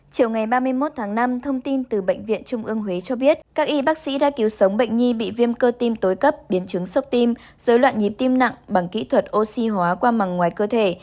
chiều ngày ba mươi một tháng năm thông tin từ bệnh viện trung ương huế cho biết các y bác sĩ đã cứu sống bệnh nhi bị viêm cơ tim tối cấp biến chứng sốc tim dối loạn nhịp tim nặng bằng kỹ thuật oxy hóa qua màng ngoài cơ thể